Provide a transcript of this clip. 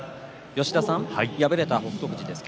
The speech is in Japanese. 敗れた北勝富士です。